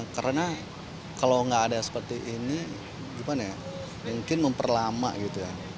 karena kalau nggak ada seperti ini gimana ya mungkin memperlama gitu ya